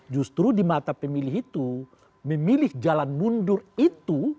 justru di mata pemilih itu memilih jalan mundur itu